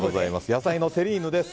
野菜のテリーヌです。